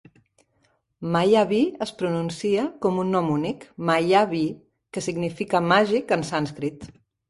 "MayaVi" es pronuncia com un nom únic, "Ma-ya-vii", que significa "màgic" en sànscrit.